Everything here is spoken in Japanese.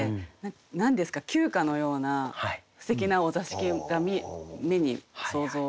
何ですか旧家のようなすてきなお座敷が目に想像できまして。